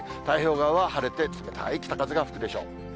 太平洋側は晴れて、冷たい北風が吹くでしょう。